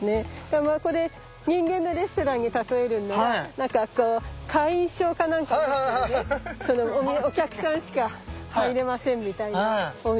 まあこれ人間のレストランに例えるんならなんかこう会員証かなんかを持っているそのお客さんしか入れませんみたいなお店で。